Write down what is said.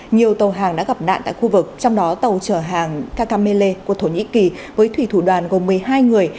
nhiều tàu hàng đã gặp nạn tại khu vực trong đó tàu chở hàng kakamele của thổ nhĩ kỳ với thủy thủ đoàn gồm một mươi hai người